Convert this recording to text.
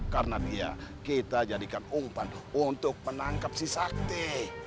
karena dia kita jadikan umpan untuk menangkap si sakti